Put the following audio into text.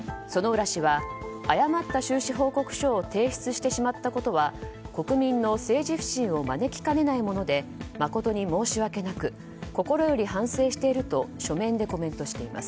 薗浦氏は誤った収支報告書を提出してしまったことは国民の政治不信を招きかねないもので誠に申し訳なく心より反省していると書面でコメントしています。